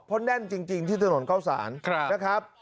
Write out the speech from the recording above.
เพราะแน่นจริงที่ถนนเข้าสารนะครับ